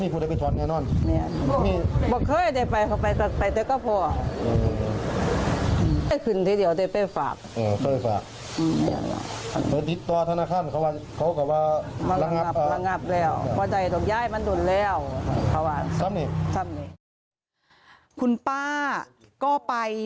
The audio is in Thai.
คุณป้าก็ไป